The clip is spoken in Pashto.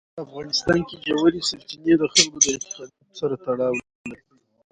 په افغانستان کې ژورې سرچینې د خلکو د اعتقاداتو سره تړاو لري.